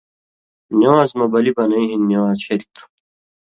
نِوان٘ز مہ بلی بنَیں ہِن نِوان٘ز شریۡ تھُو۔